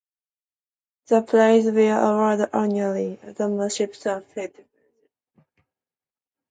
The prizes were awarded annually, and the manuscripts published.